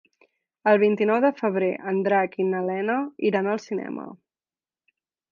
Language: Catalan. El vint-i-nou de febrer en Drac i na Lena iran al cinema.